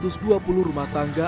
dengan membeli sampal yang bayar